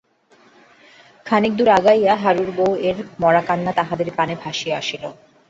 খানিকদূর আগাইয়া হারুর বৌ এর মড়াকান্না তাহাদের কানে ভাসিয়া আসিল।